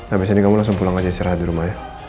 habis ini kamu langsung pulang aja istirahat di rumah ya